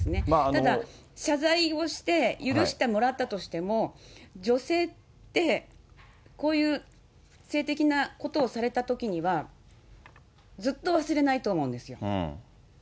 ただ、謝罪をして、許してもらったとしても、女性って、こういう性的なことをされたときには、ずっと忘れないと思うんですよ。